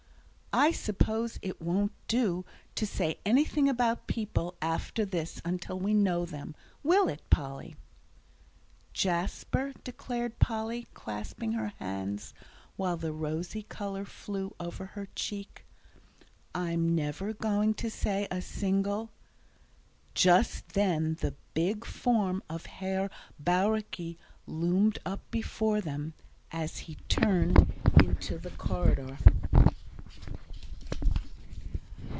"I suppose it won't do to say anything about people after this until we know them. Will it, Polly?" "Jasper," declared Polly, clasping her hands, while the rosy colour flew over her cheek, "I'm never going to say a single " Just then the big form of Herr Bauricke loomed up before them, as he turned into the corridor.